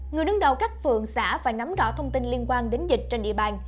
người đứng đầu các phường xã phải nắm rõ thông tin liên quan đến dịch trên địa bàn